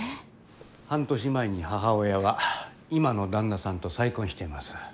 半年前に母親が今の旦那さんと再婚しています。